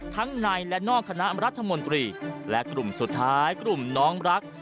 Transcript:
ทั้งในและนอกคณะรัฐมนตรีและกลุ่มสุดท้ายกลุ่มน้องรัก